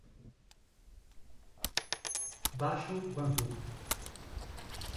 Baixo Guandu